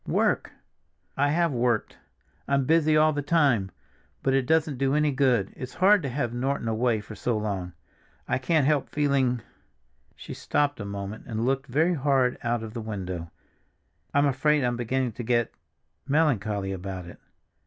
"Work." "I have worked! I'm busy all the time, but it doesn't do any good. It's hard to have Norton away for so long. I can't help feeling—" she stopped a moment and looked very hard out of the window. "I'm afraid I'm beginning to get—melancholy about it."